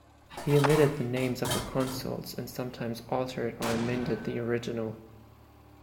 He omitted the names of the consuls and sometimes altered or emended the original.